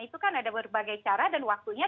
itu kan ada berbagai cara dan waktunya